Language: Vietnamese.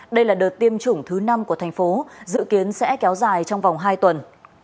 đây là đợt tiêm chủng thứ năm của thành phố dự kiến sẽ kéo dài trong vòng hai tuần